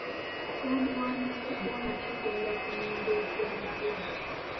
Kyandiwandiikiddwa nga kiggumira ku nnyingo esembayo.